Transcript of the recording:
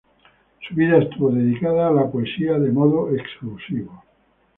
Su vida estuvo dedicada a la poesía de modo exclusivo.